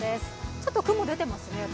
ちょっと雲が出ていますね。